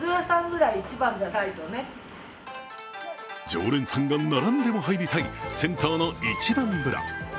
常連さんが並んでも入りたい銭湯の一番風呂。